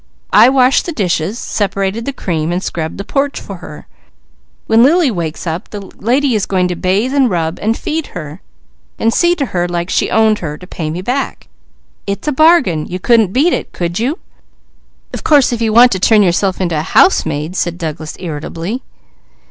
I washed the dishes, sep'rated the cream, and scrubbed the porch for her. When Lily wakes up, the lady is going to bathe, rub, feed her, and see to her like she owned her, to pay me back. It's a bargain! You couldn't beat it, could you?" "Of course if you want to turn yourself into a housemaid!" said Douglas irritably.